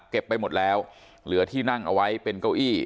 ไปหมดแล้วเหลือที่นั่งเอาไว้เป็นเก้าอี้